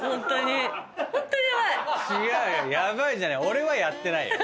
俺はやってないよ。